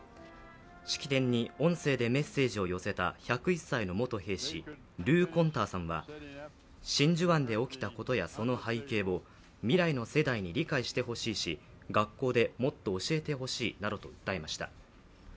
式典に音声でメッセージを寄せた１０１歳の元兵士、ルー・コンターさんは真珠湾で起きたことやその背景を未来の世代に理解してほしいし学校でもっと教えてほしいなどと訴えました。